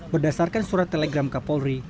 berdasarkan surat telegram ke polri